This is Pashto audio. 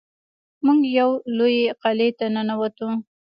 موږ یوې لویې قلعې ته ننوتو.